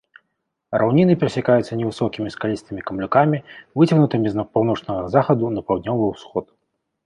Раўніны перасякаюцца невысокімі скалістымі камлюкамі, выцягнутымі з паўночнага захаду на паўднёвы ўсход.